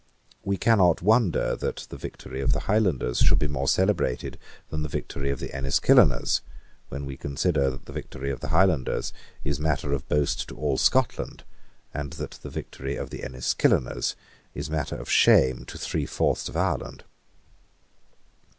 We cannot wonder that the victory of the Highlanders should be more celebrated than the victory of the Enniskilleners, when we consider that the victory of the Highlanders is matter of boast to all Scotland, and that the victory of the Enniskilleners is matter of shame to three fourths of Ireland.